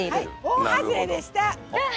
大外れでした！